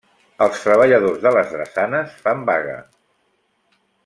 Els treballadors de les drassanes fan vaga.